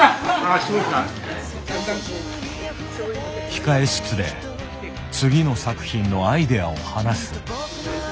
控え室で次の作品のアイデアを話す。